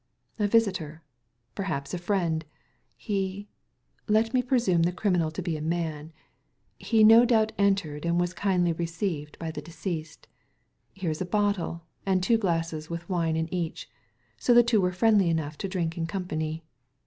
A visitor I perhaps a friend ! He — let me presume the criminal to be a man — he no doubt entered, and was kindly received by the deceased. Here is a bottle, and two glasses with wine in each ; so the two were friendly enough to drink in company.